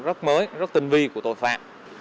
rất mới rất tinh vi của tội phạm